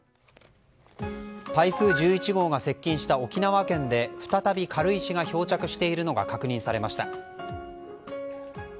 台風１１号が接近した沖縄県で再び軽石が漂着しているのが確認されました。